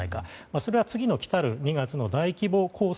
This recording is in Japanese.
それは次の来る２月の大規模攻勢